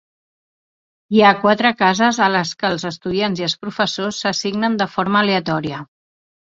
Hi ha quatre cases a les que els estudiants i els professors s'assignen de forma aleatòria.